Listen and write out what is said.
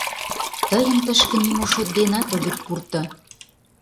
Тыйым тышке нимо шот денат огыт пурто.